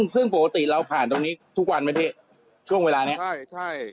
ซึ่งปกติเราพันธุ์ตรงนี้ทุกวันไหมดิช่วงเวลานี้